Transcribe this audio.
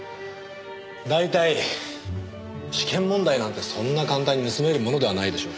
大体試験問題なんてそんな簡単に盗めるものではないでしょう？